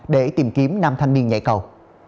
để tìm kiếm nam thanh niên nhảy cầu